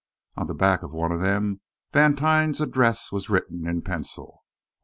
On the back of one of them, Vantine's address was written in pencil.